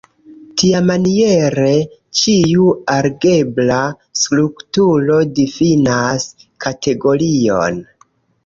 Tiamaniere, ĉiu algebra strukturo difinas kategorion.